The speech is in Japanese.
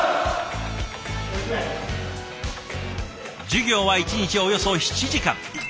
授業は１日およそ７時間。